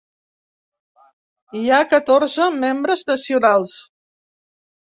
Hi ha catorze membres nacionals.